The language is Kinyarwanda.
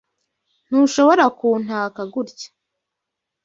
Ntushobora kuntaka gutya.